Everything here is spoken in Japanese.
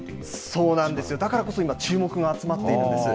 そうなんですよ、だからこそ今、注目が集まっているんです。